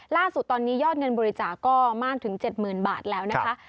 ล่าสุดตอนนี้ยอดเงินบริจาคก็มากถึง๗๐๐๐บาทแล้วนะคะ